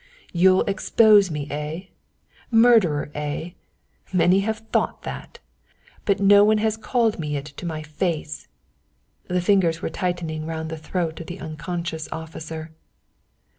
"You'll expose me, eh? Murderer, eh? Many have thought that, but no one has called me it to my face." The fingers were tightening round the throat of the unconscious officer.